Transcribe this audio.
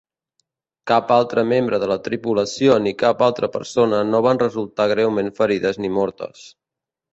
Cap altre membre de la tripulació ni cap altra persona no van resultar greument ferides ni mortes.